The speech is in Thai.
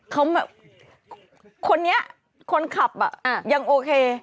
เขาแบบคนนี้คนขับอ่ะยังโอเค